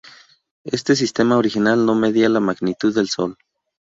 Este sistema original no medía la magnitud del Sol.